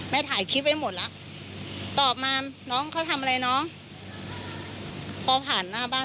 แม่ข้าอยากไปโรงพยาบาล